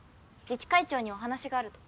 自治会長にお話があると。